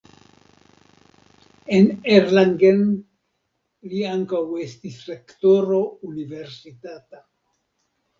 En Erlangen li ankaŭ estis rektoro universitata.